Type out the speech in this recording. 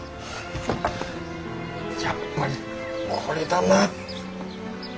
やっぱりこれだな。